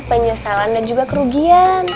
penyesalan dan juga kerugian